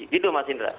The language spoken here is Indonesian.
gitu mas indra